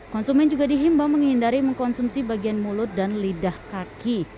konsumen juga dihimbau menghindari mengkonsumsi bagian mulut dan lidah kaki